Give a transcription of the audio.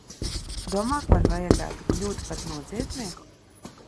Domā, ka man vajadzētu kļūt pat noziedznieku?